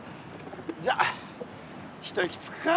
じゃあ一息つくか。